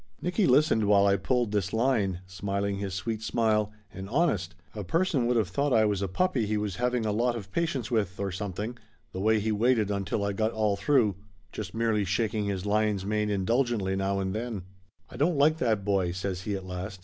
Nicky listened while I pulled this line, smiling his sweet smile, and honest, a person would of thought I was a puppy he was having a lot of patience with, or something, the way he waited until I got all through, just merely shaking his lion's mane indulgently now and then. 206 Laughter Limited "I don't like that boy," says he at last.